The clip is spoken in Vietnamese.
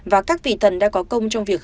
và các vị tần đã có công trong việc